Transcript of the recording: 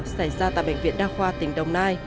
xảy ra tại bệnh viện đa khoa tỉnh đồng nai